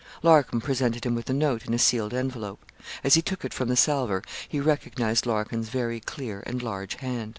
Larcom presented him with a note, in a sealed envelope. As he took it from the salver he recognised Larkin's very clear and large hand.